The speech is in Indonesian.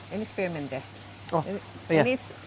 ini spermint deh